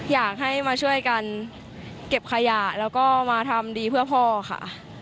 อยากให้มาช่วยกันเก็บขยะแล้วก็มาทำดีเพื่อพ่อค่ะ